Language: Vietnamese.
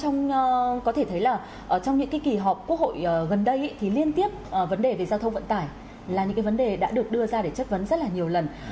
có thể thấy là trong những cái kỳ họp quốc hội gần đây thì liên tiếp vấn đề về giao thông vận tải là những cái vấn đề đã được đưa ra để chất vấn rất là nhiều lần